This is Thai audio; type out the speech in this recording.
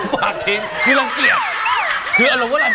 ภาครบอมทิ้งด้วยภาครบอมทิ้ง